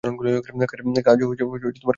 কাজ কেমন লাগছে?